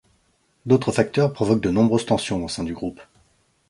D'autres facteurs provoquent de nombreuses tensions au sein du groupe.